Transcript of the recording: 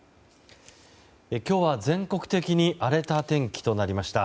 今日は全国的に荒れた天気となりました。